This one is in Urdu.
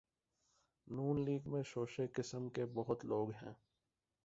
ن لیگ میں شوشے قسم کے بہت لوگ ہیں۔